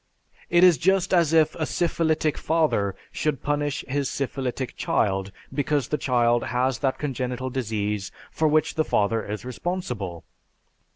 It is just as if a syphilitic father should punish his syphilitic child because the child has that congenital disease for which the father is responsible.